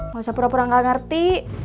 gak usah pura pura gak ngerti